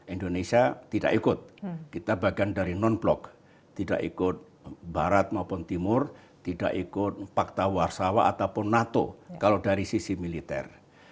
indonesia tidak ikut kita bagian dari non blok tidak ikut barat maupun timur tidak ikut fakta warsawa ataupun nato kalau dari sisi militer